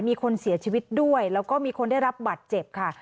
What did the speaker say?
มีคนเสียชีวิตด้วยแล้วก็มีคนได้รับบัตรเจ็บค่ะ